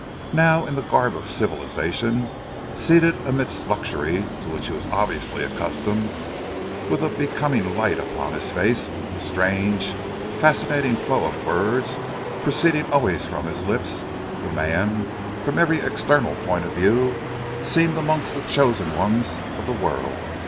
Now, in the garb of civilisation, seated amidst luxury to which he was obviously accustomed, with a becoming light upon his face and this strange, fascinating flow of words proceeding always from his lips, the man, from every external point of view, seemed amongst the chosen ones of the world.